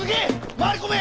回り込め！